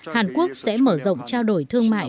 hàn quốc sẽ mở rộng trao đổi thương mại